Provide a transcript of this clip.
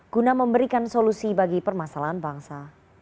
guna memberikan solusi bagi permasalahan bangsa